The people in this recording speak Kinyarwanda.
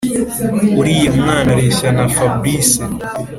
uriya mwana areshya na fabric?”